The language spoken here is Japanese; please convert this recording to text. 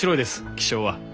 気象は。